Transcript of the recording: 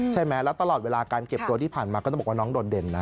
ใช่ไหมแล้วตลอดเวลาการเก็บตัวที่ผ่านมาก็ต้องบอกว่าน้องโดดเด่นนะ